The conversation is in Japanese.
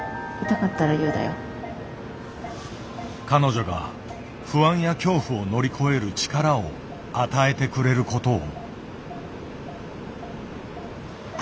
彼女が不安や恐怖を乗り越える力を与えてくれることを。